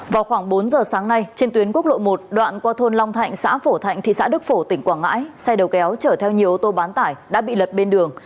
vào khoảng bốn giờ sáng nay trên tuyến quốc lộ một đoạn qua thôn long thạnh xã phổ thạnh thị xã đức phổ tỉnh quảng ngãi xe đầu kéo chở theo nhiều ô tô bán tải đã bị lật bên đường